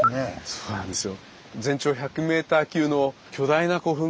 そうなんですよ。